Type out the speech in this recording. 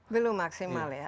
belum maksimal ya